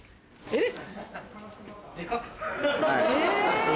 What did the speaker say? えっ！